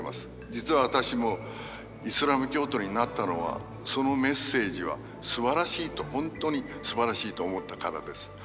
実は私もイスラム教徒になったのはそのメッセージはすばらしいと本当にすばらしいと思ったからです。